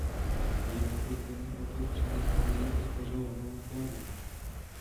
Její vystoupení autor přímo na pódiu podpořil hrou na klavír.